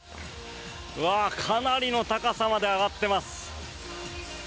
かなりの高さまで上がっています。